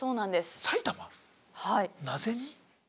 なぜに？